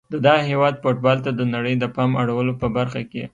د دغه هیواد فوتبال ته د نړۍ د پام اړولو په برخه کې